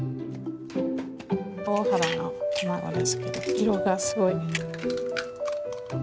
大原の卵ですけど色がすごい。